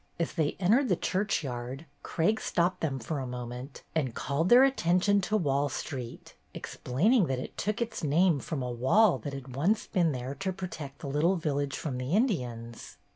As they entered the church yard, Craig stopped them for a moment and called their attention to Wall Street, explaining that it took its name from a wall that had once been there to protect the little village from the Indians.